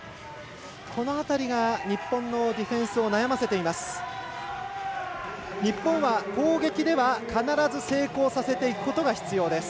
この辺りが日本のディフェンスを悩ませています。